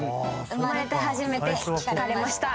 「生まれて初めて聞かれました」